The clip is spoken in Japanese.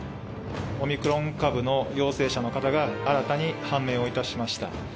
オミクロン株の陽性者の方が、新たに判明をいたしました。